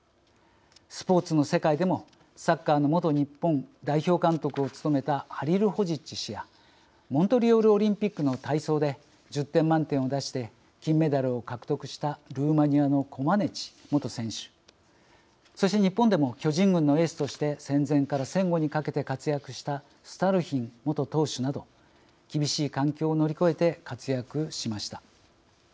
スポーツの世界でもサッカーの元日本代表監督を務めたハリルホジッチ氏やモントリオールオリンピックの体操で１０点満点を出して金メダルを獲得したルーマニアのコマネチ元選手そして日本でも巨人軍のエースとして戦前から戦後にかけて活躍したスタルヒン元投手など厳しい環境を乗り越えて活躍しました。